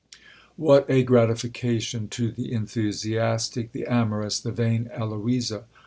What a gratification to the enthusiastic, the amorous, the vain Eloisa!